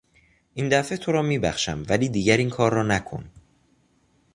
این دفعه تو را میبخشم ولی دیگر این کار را نکن!